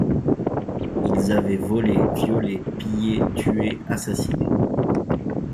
Ils avaient volé, violé, pillé, tué, assassiné.